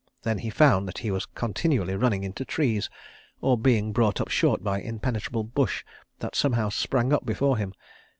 Then he found that he was continually running into trees or being brought up short by impenetrable bush that somehow sprang up before him.